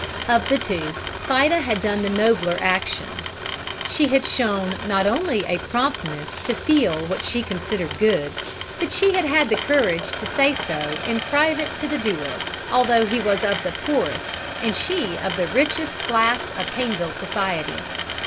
Of the two, Fida had done the nobler action. She had shown not only a promptness to feel what she considered good, but she had had the courage to say so in private to the doer, although he was of the poorest and she of the richest class of Caneville society.